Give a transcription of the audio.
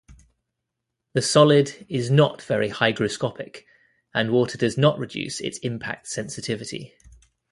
The solid is not very hygroscopic, and water does not reduce its impact sensitivity.